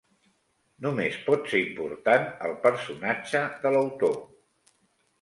Només pot ser important el personatge de l'autor.